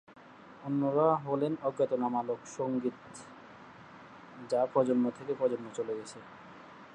অন্যরা হলেন অজ্ঞাতনামা লোকসঙ্গীত যা প্রজন্ম থেকে প্রজন্মে চলে গেছে।